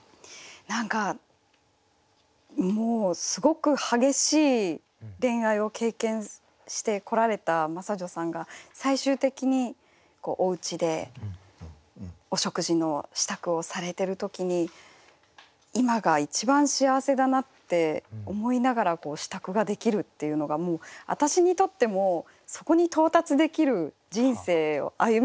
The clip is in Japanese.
何かもうすごく激しい恋愛を経験してこられた真砂女さんが最終的におうちでお食事の支度をされてる時に今が一番幸せだなって思いながら支度ができるっていうのが私にとってもそこに到達できる人生を歩みたいなって思うぐらい。